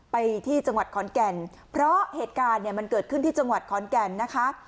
ไปที่จังหวัดขอนแก่นเพราะเหตุการณ์เนี่ยมันเกิดขึ้นที่จังหวัดขอนแก่นนะคะ